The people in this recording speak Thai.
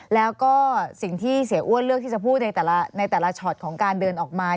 แล้วก็สิ่งที่เสียอ้วนเลือกที่จะพูดในแต่ละช็อตของการเดินออกมา